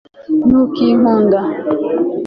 ntukinkunda